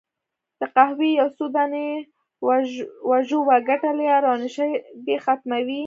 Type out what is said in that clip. د قهوې یو څو دانې وژووه، ګټه لري، او نشه دې ختمه وي.